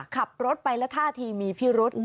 ขับรถไปแล้วท่าทีมีพิรุษ